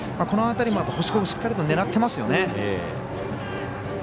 この辺りは星子君しっかりと狙っていますよね。